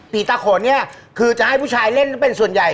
ตาโขนเนี่ยคือจะให้ผู้ชายเล่นเป็นส่วนใหญ่